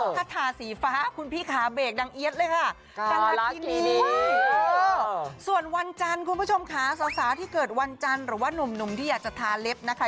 ถ้าทาสีฟ้าคุณพี่ขาเบรกดังเอี๊ยดเลยค่ะ